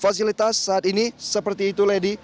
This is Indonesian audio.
fasilitas saat ini seperti itu lady